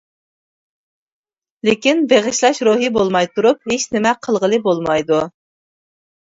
لېكىن بېغىشلاش روھى بولماي تۇرۇپ ھېچنېمە قىلغىلى بولمايدۇ.